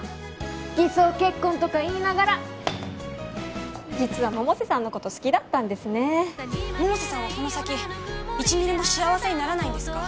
偽装結婚とかいいながら実は百瀬さんのこと好きだったんですね百瀬さんはこの先１ミリも幸せにならないんですか？